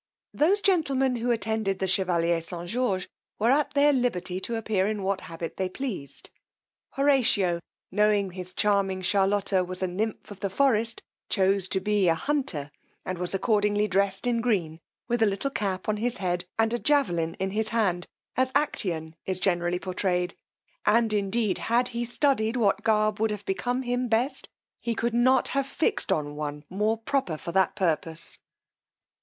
Those gentlemen who attended the Chevalier St. George were at their liberty to appear in what habit they pleased: Horatio knowing his charming Charlotta was a nymph of the forest, chose to be a hunter, and was accordingly dressed in green, with a little cap on his head and a javelin in his hand, as Acteon is generally portrayed; and indeed had he studied what garb would have become him best, he could not have fixed on one more proper for that purpose.